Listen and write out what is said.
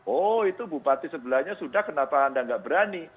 oh itu bupati sebelahnya sudah kenapa anda nggak berani